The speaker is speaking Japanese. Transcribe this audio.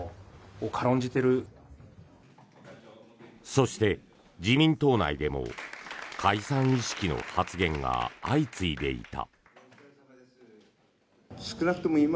そして、自民党内でも解散意識の発言が相次いでいた。